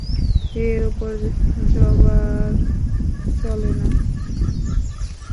এর উপর জবার চলে না।